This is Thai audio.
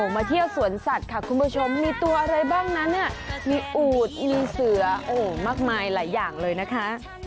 มาเที่ยวสวนสัตว์ค่ะคุณผู้ชมมีตัวอะไรบ้างนั้นมีอูดอิลีเสือโอ้มากมายหลายอย่างเลยนะคะ